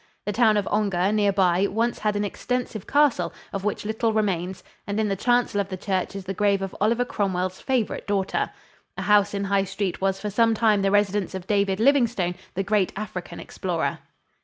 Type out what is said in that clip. The town of Ongar, near by, once had an extensive castle, of which little remains, and in the chancel of the church is the grave of Oliver Cromwell's favorite daughter. A house in High Street was for some time the residence of David Livingstone, the great African explorer.